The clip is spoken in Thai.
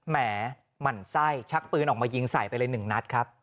แหมหมั่นไส้ชักปืนออกมายิงใส่ไปเลยหนึ่งนัดครับ